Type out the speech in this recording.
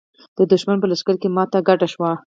د دښمن په لښکر کې ماته ګډه شوه.